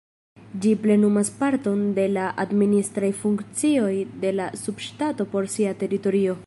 Ĝi plenumas parton de la administraj funkcioj de la subŝtato por sia teritorio.